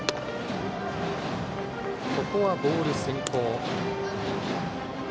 ここはボール先行。